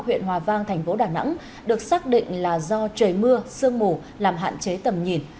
huyện hòa vang thành phố đà nẵng được xác định là do trời mưa sương mù làm hạn chế tầm nhìn